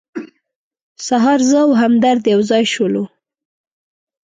سهار زه او همدرد یو ځای شولو.